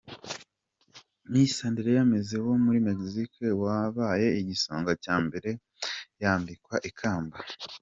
Miss Andrea Meza wo muri Mexico wabaye igisonga cya mbere, yambikwa ikamba.